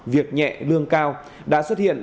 việc nhẹ lương cao đã xuất hiện